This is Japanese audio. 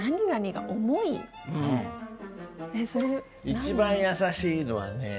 一番易しいのはね